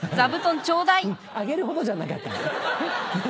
うんあげるほどじゃなかった。